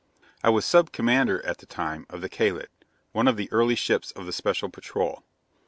I was sub commander, at the time, of the Kalid, one of the early ships of the Special Patrol.